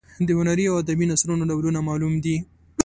د هنري او ادبي نثرونو ډولونه معلوم دي.